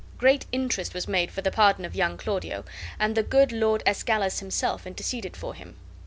Great interest was made for the pardon of young Claudio, and the good old Lord Escalus himself interceded for him.